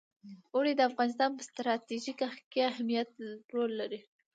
اوړي د افغانستان په ستراتیژیک اهمیت کې رول لري.